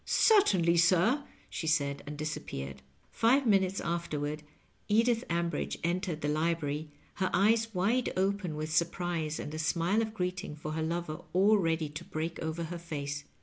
^^ Cer tainly, sir," she said, and disappeared. Five minutes afterward Edith Ambridge entered the libraiy, her eyes wide open with surprise and a smile of greeting for her lover all ready to break over her face.